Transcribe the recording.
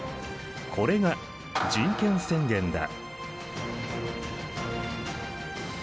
これが人権宣言だ。